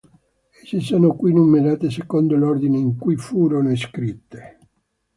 Esse sono qui numerate secondo l'ordine in cui furono scritte.